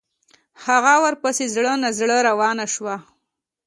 هغه ورپسې زړه نا زړه روانه شوه.